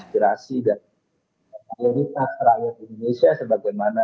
berhasil dan prioritas rakyat indonesia sebagaimana